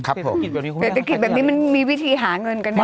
ครับผมเดี๋ยวเศรษฐกิจแบบนี้มันมีวิธีหาเงินกันเนอะ